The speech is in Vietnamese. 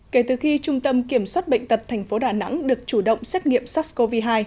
kể từ khi trung tâm kiểm soát bệnh tật tp đà nẵng được chủ động xét nghiệm sars cov hai